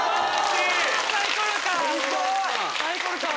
サイコロか！